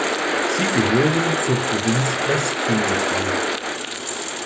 Sie gehören zur Provinz Westsumatra.